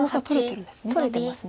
取れてます。